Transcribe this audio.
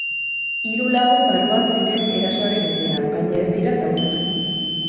Hiru lagun barruan ziren erasoaren unean, baina ez dira zauritu.